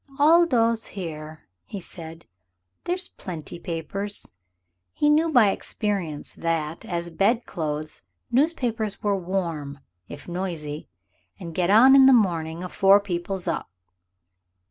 "I'll doss here," he said; "there's plenty papers" he knew by experience that, as bed clothes, newspapers are warm, if noisy "and get on in the morning afore people's up."